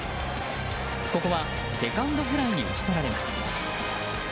ここはセカンドフライに打ち取られます。